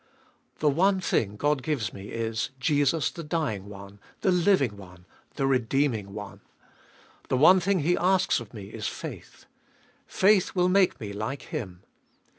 2. The one thing God gives me is, Jesus the dying One, the living One, the redeeming One. The one thing He asks of me is faith. Faith will make me like Him.